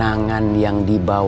ada kenang kenangan yang dia lakukan